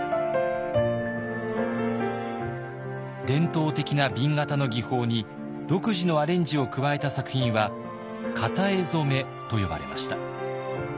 伝統的な紅型の技法に独自のアレンジを加えた作品は型絵染と呼ばれました。